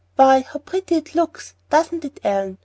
"Why, how pretty it looks, doesn't it, Ellen?